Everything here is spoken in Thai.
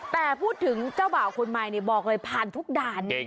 แต่พูดถึงเจ้าบ่าวคนใหม่บอกเลยผ่านทุกด่าน